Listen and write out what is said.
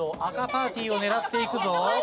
赤パーティーを狙っていくぞ。